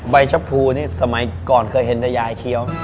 ใบชะพูนี่สมัยก่อนเคยเห็นแต่ยายเคี้ยว